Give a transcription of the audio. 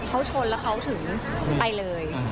เขาชนแล้วเขาถึงไปเลย